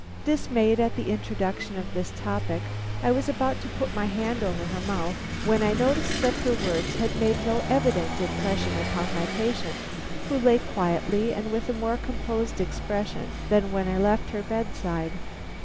Dismayed at the introduction of this topic, I was about to put my hand over her mouth, when I noticed that her words had made no evident impression upon my patient, who lay quietly and with a more composed expression than when I left her bedside.